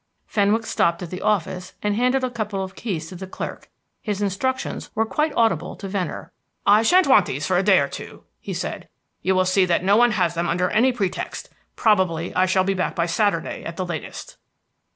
Fenwick stopped at the office and handed a couple of keys to the clerk. His instructions were quite audible to Venner. "I shan't want those for a day or two," he said. "You will see that no one has them under any pretext. Probably, I shall be back by Saturday at the latest."